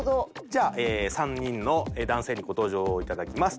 じゃあ３人の男性にご登場頂きます。